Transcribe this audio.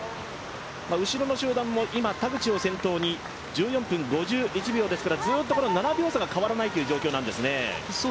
後ろの集団も今、田口を先頭に１４分５１秒ですからずーっと７秒差は変わらないという状況なんですね。